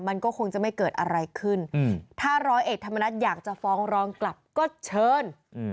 มันก็คงจะไม่เกิดอะไรขึ้นถ้าร้อยเอกธรรมนัฐอยากจะฟ้องร้องกลับก็เชิญ